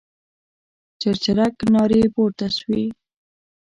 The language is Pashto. چرچرک نارې پورته شوې.